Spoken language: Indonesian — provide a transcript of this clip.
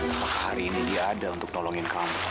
apakah hari ini dia ada untuk nolongin kamu